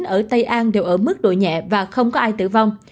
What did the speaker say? ở tây an đều ở mức độ nhẹ và không có ai tử vong